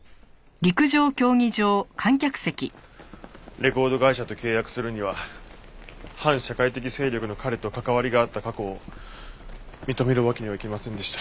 レコード会社と契約するには反社会的勢力の彼と関わりがあった過去を認めるわけにはいきませんでした。